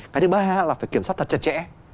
cái thứ ba là phải kiểm soát thật chặt chẽ